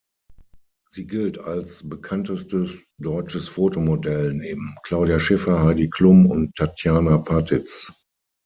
Sie gilt als bekanntestes deutsches Fotomodell neben Claudia Schiffer, Heidi Klum und Tatjana Patitz.